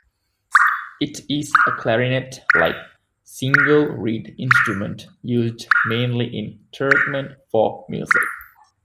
It is a clarinet-like, single-reed instrument used mainly in Turkmen folk music.